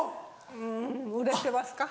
うん売れてますか？